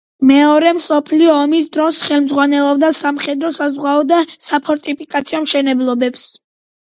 მეორე მსოფლიო ომის დროს ხელმძღვანელობდა სამხედრო-საზღვაო და საფორტიფიკაციო მშენებლობებს.